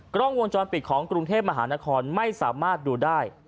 กล้องวงจรปิดของกรุงเทพมหานครไม่สามารถดูได้